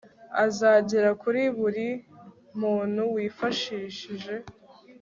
azagera kuri buri muntu yifashishije